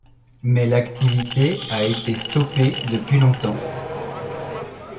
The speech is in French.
Mais l’activité a été stoppée depuis longtemps.